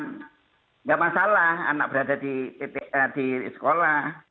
kalau anak itu salah anak berada di sekolah